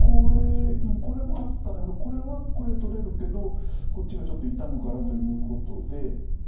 これもあったんだけどこれはこれ取れるけどこっちがちょっと傷むからということで。